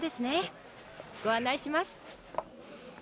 ご案内します。